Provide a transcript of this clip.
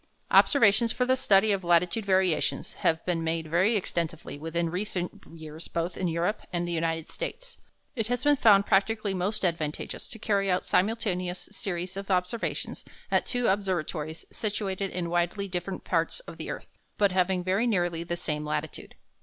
Observations for the study of latitude variations have been made very extensively within recent years both in Europe and the United States. It has been found practically most advantageous to carry out simultaneous series of observations at two observatories situated in widely different parts of the earth, but having very nearly the same latitude.